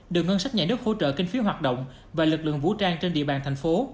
được ngân sách nhà nước hỗ trợ kinh phí hoạt động và lực lượng vũ trang trên địa bàn thành phố